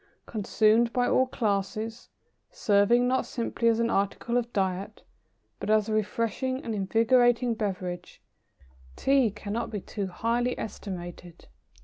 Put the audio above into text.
Consumed by all classes, serving not simply as an article of diet, but as a refreshing and invigorating beverage, Tea cannot be too highly estimated.